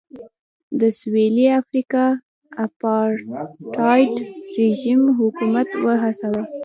د سوېلي افریقا اپارټایډ رژیم حکومت وهڅاوه.